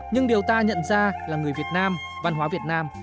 nhưng điều ta nhận ra là người việt nam văn hóa việt nam